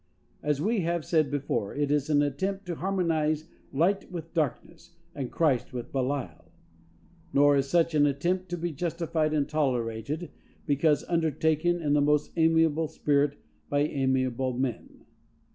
As we have said before, it is an attempt to harmonize light with darkness, and Christ with Belial. Nor is such an attempt to be justified and tolerated, because undertaken in the most amiable spirit by amiable men.